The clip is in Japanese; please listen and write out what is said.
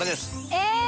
え！